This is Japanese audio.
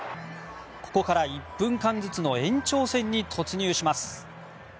ここから１分間ずつの延長戦に突入します。